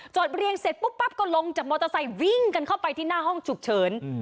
เรียงเสร็จปุ๊บปั๊บก็ลงจากมอเตอร์ไซค์วิ่งกันเข้าไปที่หน้าห้องฉุกเฉิน